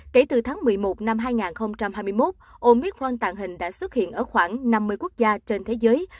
kể từ tháng một mươi một năm hai nghìn hai mươi một omicron tàng hình đã xuất hiện ở khoảng năm mươi quốc gia trên thế giới